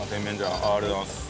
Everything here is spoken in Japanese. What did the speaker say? ありがとうございます。